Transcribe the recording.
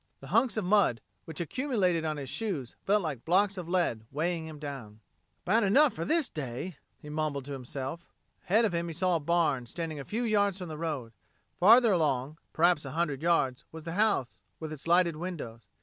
The hunks of mud which accumulated on his shoes felt like blocks of lead weighing him down. "About enough for this day," he mumbled to himself. Ahead of him he saw a barn, standing a few yards from the road. Farther along, perhaps a hundred yards, was the house with its lighted windows.